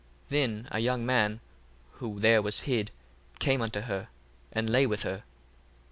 1:37 Then a young man, who there was hid, came unto her, and lay with her.